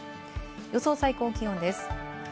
予想最高気温です。